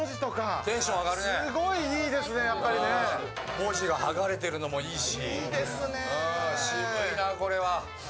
文字が剥がれてるのもいいし。